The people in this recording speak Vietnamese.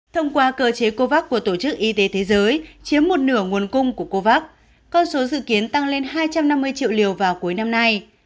thông qua cơ chế covax của tổ chức y tế thế giới chiếm một nửa nguồn cung của covax con số dự kiến tăng lên hai trăm năm mươi triệu liều vào cuối năm nay